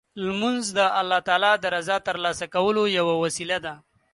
لمونځ د الله تعالی د رضا ترلاسه کولو یوه وسیله ده.